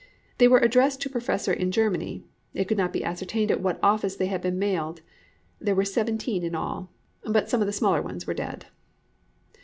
They were addressed to a professor in Germany. It could not be ascertained at what office they had been mailed. There were seventeen in all, but some of the smaller ones were dead.